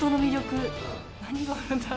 何があるんだろう？